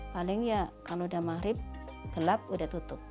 paling ya kalau udah mahrib gelap udah tutup